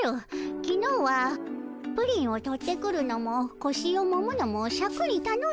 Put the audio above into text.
きのうはプリンを取ってくるのもこしをもむのもシャクにたのんだでの。